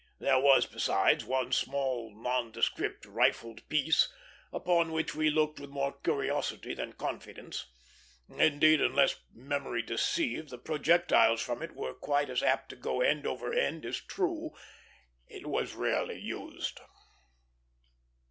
There was, besides, one small nondescript rifled piece, upon which we looked with more curiosity than confidence. Indeed, unless memory deceive, the projectiles from it were quite as apt to go end over end as true. It was rarely used.